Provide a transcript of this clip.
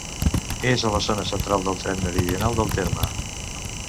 És a la zona central del terç meridional del terme.